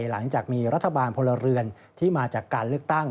หลังจากมีรัฐบาลพลเรือนที่มาจากการเลือกตั้ง